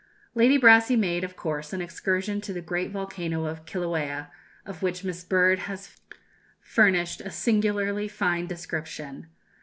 Lady Brassey made, of course, an excursion to the great volcano of Kilauea, of which Miss Bird has furnished a singularly fine description.